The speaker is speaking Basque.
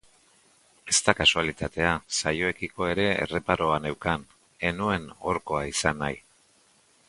Ez da kasualitatea saioekiko ere erreparoa neukan, ez nuen horkoa izan nahi.